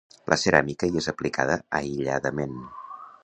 La ceràmica hi és aplicada aïlladament.